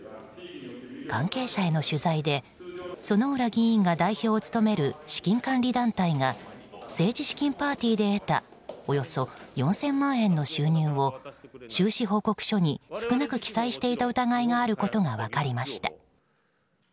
関係者への取材で薗浦議員が代表を務める資金管理団体が政治資金パーティーで得たおよそ４０００万円の収入を収支報告書に少なく記載していた疑いがあることが分かりました。